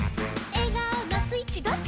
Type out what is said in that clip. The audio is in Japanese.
「えがおのスイッチどっち？」